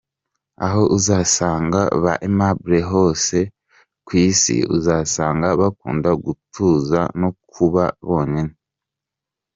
Aho uzasanga ba Aimable hose ku Isi , uzasanga bakunda gutuza no kuba bonyine.